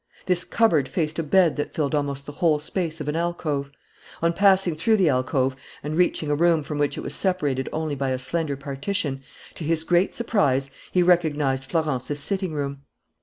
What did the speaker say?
This cupboard faced a bed that filled almost the whole space of an alcove. On passing through the alcove and reaching a room from which it was separated only by a slender partition, to his great surprise, he recognized Florence's sitting room.